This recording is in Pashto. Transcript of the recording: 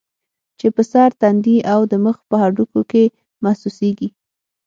چې پۀ سر ، تندي او د مخ پۀ هډوکو کې محسوسيږي